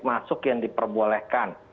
masuk yang diperbolehkan